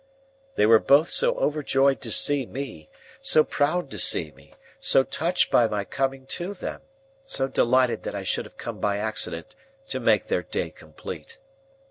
They were both so overjoyed to see me, so proud to see me, so touched by my coming to them, so delighted that I should have come by accident to make their day complete!